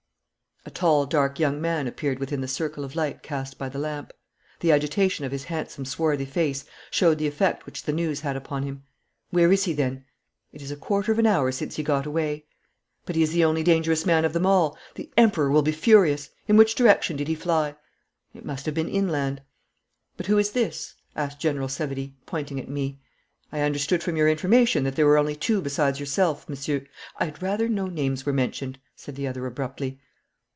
A tall, dark young man appeared within the circle of light cast by the lamp. The agitation of his handsome swarthy face showed the effect which the news had upon him. 'Where is he then?' 'It is a quarter of an hour since he got away.' 'But he is the only dangerous man of them all. The Emperor will be furious. In which direction did he fly?' 'It must have been inland.' 'But who is this?' asked General Savary, pointing at me. 'I understood from your information that there were only two besides yourself, Monsieur .' 'I had rather no names were mentioned,' said the other abruptly.